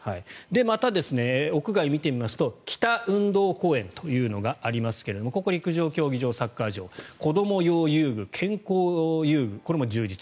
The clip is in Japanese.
また、屋外見てみますと北運動公園というのがありますがここは陸上競技場、サッカー場子ども用遊具、健康遊具これも充実。